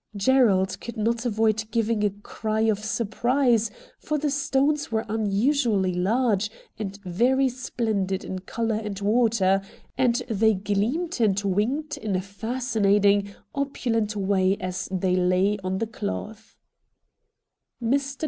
Gerald could not avoid giving a cry of surprise, for the stones were unusually large and very splendid in colour and water, and they gleamed and winked in a fascinating, opulent way as they lay on the cloth.